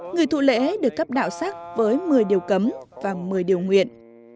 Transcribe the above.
người thụ lễ được cấp đạo sắc với một mươi điều cấm và một mươi điều nguyện